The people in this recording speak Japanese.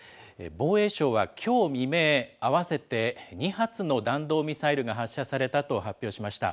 防衛省はきょう未明、合わせて２発の弾道ミサイルが発射されたと発表しました。